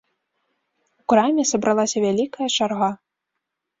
У краме сабралася вялікая чарга.